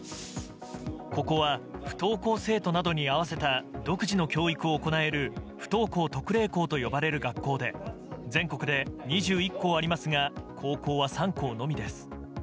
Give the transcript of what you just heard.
ここは不登校生徒などに合わせた独自の教育を行える不登校特例校と呼ばれる学校で全国で２１校ありますが高校は３校のみです。